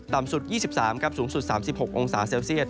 ต่ำสุด๒๓สูงสุด๓๖องศาเซลเซียต